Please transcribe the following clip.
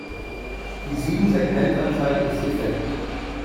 Die Siebensegmentanzeige ist defekt.